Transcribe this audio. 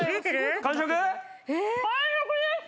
完食です。